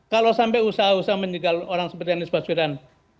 kalau sampai usaha usaha menjegal orang seperti anies baswedan